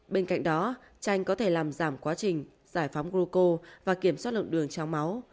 bên cạnh đó tranh có thể làm giảm quá trình giải phóng roco và kiểm soát lượng đường trong máu